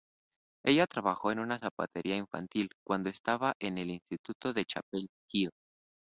Ella trabajó en una zapatería infantil cuando estaba en el instituto de Chapel Hill.